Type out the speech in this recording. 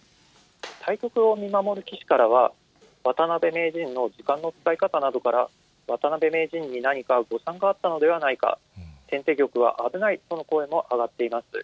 対局を見守る棋士からは、渡辺名人の時間の使い方などから、渡辺名人に何か誤算があったのではないか、先手玉は危ないとの声も上がっています。